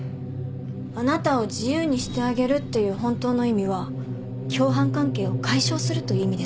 「あなたを自由にしてあげる」っていう本当の意味は共犯関係を解消するという意味ですよね。